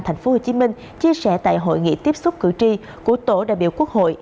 thành phố hồ chí minh chia sẻ tại hội nghị tiếp xúc cử tri của tổ đại biểu quốc hội